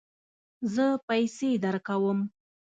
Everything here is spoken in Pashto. زه پیسې درکوم